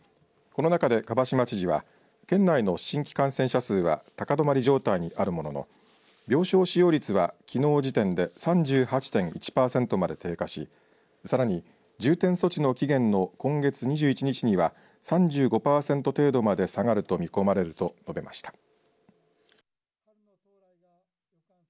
この中で、蒲島知事は県内の新規感染者数は高止まり状態にあるものの病床使用率は、きのう時点で３８．１パーセントまで低下しさらに重点措置の期限の今月２１日には３５パーセント程度まで下がると見込まれると述べました。